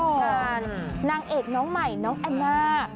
นางเอกน้องใหม่น้องแอนน่า